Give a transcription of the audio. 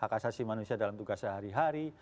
hak asasi manusia dalam tugas sehari hari